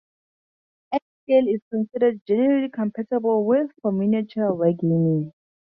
N scale is considered generally compatible with for miniature wargaming.